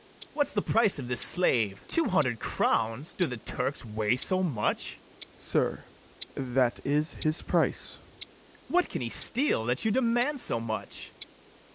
What's the price of this slave? two hundred crowns! do the Turks weigh so much? FIRST OFFICER. Sir, that's his price. BARABAS. What, can he steal, that you demand so much?